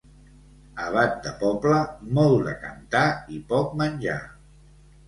Abat de poble, molt de cantar i poc menjar.